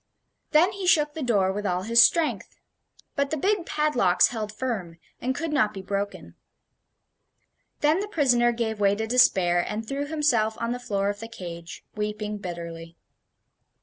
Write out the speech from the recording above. Then he shook the door with all his strength; but the big padlocks held firm, and could not be broken. Then the prisoner gave way to despair, and threw himself on the floor of the cage, weeping bitterly.